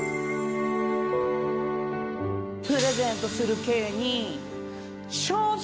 プレゼントする刑に処す！